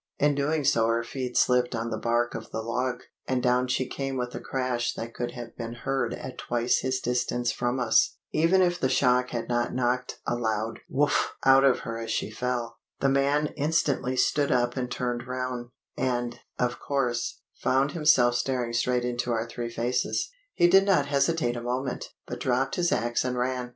In doing so her feet slipped on the bark of the log, and down she came with a crash that could have been heard at twice his distance from us, even if the shock had not knocked a loud 'Wooff!' out of her as she fell. The man instantly stood up and turned round, and, of course, found himself staring straight into our three faces. He did not hesitate a moment, but dropped his axe and ran.